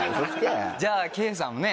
じゃあ圭さんもね